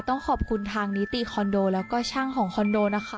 ต้องขอบคุณทางนิติคอนโดแล้วก็ช่างของคอนโดนะคะ